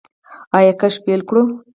آیا کښت پیل کړو؟